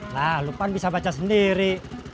lah lupa bisa baca sendiri